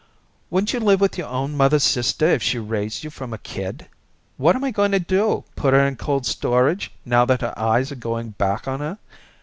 "Wouldn't you live with your own mother's sister if she raised you from a kid? What am I going to do, put her in cold storage, now that her eyes are going back on her?